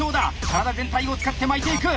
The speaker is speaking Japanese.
体全体を使って巻いていく！